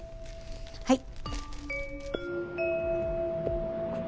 はい。